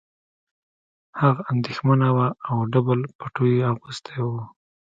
هغه اندېښمنه وه او ډبل پټو یې اغوستی و